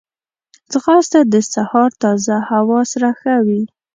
ځغاسته د سهار تازه هوا سره ښه وي